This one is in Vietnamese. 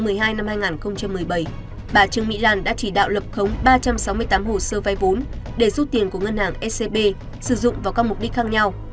cụ thể từ ngày một một hai nghìn một mươi hai đến ngày ba mươi một một mươi hai hai nghìn một mươi bảy bà trương mỹ lan đã chỉ đạo lập khống ba trăm sáu mươi tám hồ sơ vai vốn để rút tiền của ngân hàng scb sử dụng vào các mục đích khác nhau